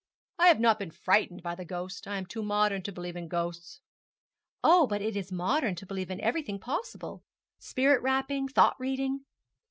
'I have not been frightened by the ghost I am too modern to believe in ghosts.' 'Oh, but it is modern to believe in everything impossible spirit rapping, thought reading.'